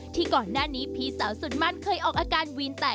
ที่ก่อนหน้านี้พี่สาวสุดมั่นเคยออกอาการวีนแตก